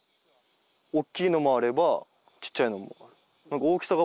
大きいのもあればちっちゃいのもある。